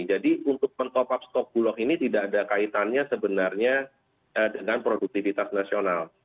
jadi untuk men top up stok bulog ini tidak ada kaitannya sebenarnya dengan produktivitas nasional